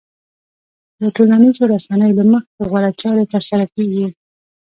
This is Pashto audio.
د ټولنيزو رسنيو له مخې غوره چارې ترسره کېږي.